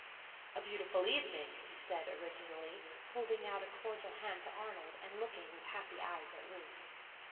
"A beautiful evening," he said originally, holding out a cordial hand to Arnold and looking with happy eyes at Ruth.